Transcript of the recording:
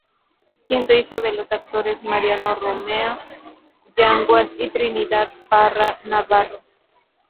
Siendo hijo de los actores Mariano Romea Yanguas y Trinidad Parra Navarro.